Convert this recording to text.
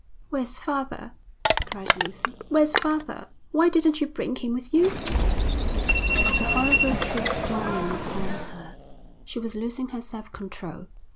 'Where's father?' cried Lucy. 'Where's father? Why didn't you bring him with you?' With the horrible truth dawning upon her, she was losing her self control.